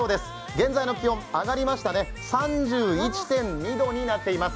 現在の気温、上がりましたね３１．２度になっています。